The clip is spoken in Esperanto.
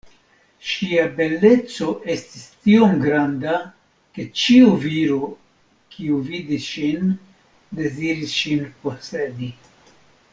Ŝia beleco estis tiom granda, ke ĉiu viro, kiu vidis ŝin, deziris ŝin posedi.